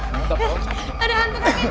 tidak tidak enak